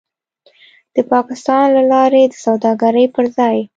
د پاکستان له لارې د سوداګرۍ پر ځای